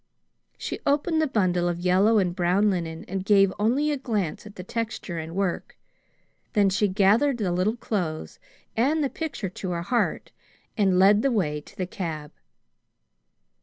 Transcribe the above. She opened the bundle of yellow and brown linen and gave only a glance at the texture and work. Then she gathered the little clothes and the picture to her heart and led the way to the cab.